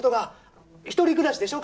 １人暮らしでしょ？